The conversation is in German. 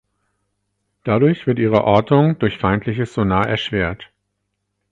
Dadurch wird ihre Ortung durch feindliches Sonar erschwert.